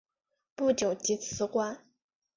不久即辞官。